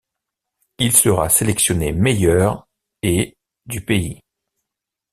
Il sera sélectionné meilleur ' et ' du pays.